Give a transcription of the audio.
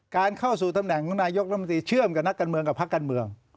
การเข้าสู่ตำแหน่งนายกรัฐมนตรีเชื่อมกับนักการเมืองกับพักการเมือง